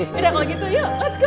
yaudah kalau gitu yuk let's go